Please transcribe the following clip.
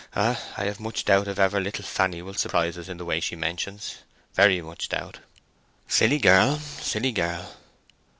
I have much doubt if ever little Fanny will surprise us in the way she mentions—very much doubt. A silly girl!—silly girl!"